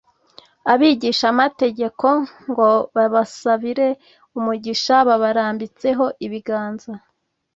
abigishamategeko ngo babasabire umugisha babarambitseho ibiganza;